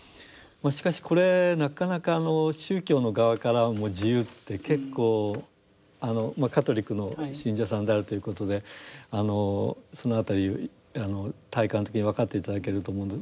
しかしこれなかなか宗教の側からも自由って結構あのカトリックの信者さんであるということであのその辺り体感的に分かって頂けると思うんで。